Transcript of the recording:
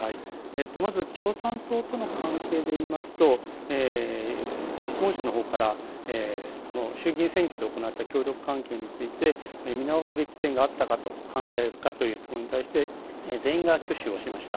まず共産党との関係でいいますと、質問者のほうから、この衆議院選挙で行われた協力関係について、見直すべき点があったかと考えるかという質問に対して、全員が挙手をしました。